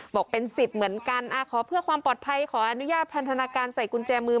บอกเป็นสิทธิ์เหมือนกันขอเพื่อความปลอดภัยขออนุญาตพันธนาการใส่กุญแจมือ